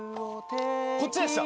こっちでした。